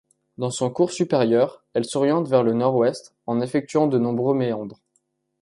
Dans son cours supérieur, elle s'oriente vers le nord-ouest en effectuant de nombreux méandres.